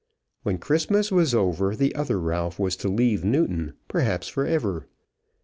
When Christmas was over, the other Ralph was to leave Newton, perhaps for ever.